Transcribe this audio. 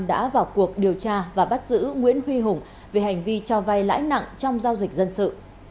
đã vào cuộc điều tra và bắt giữ nguyễn huy hùng về hành vi cho vay lãi nặng trong giao dịch dân sự